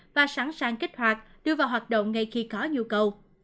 và sẵn sàng kích hoạt đưa vào hoạt động ngay khi có nhu cầu